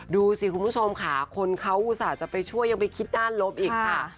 ดูสิคุณผู้ชมค่ะคนเขาอุตส่าห์จะไปช่วยยังไปคิดด้านลบอีกค่ะ